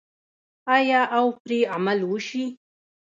آیا او پرې عمل وشي؟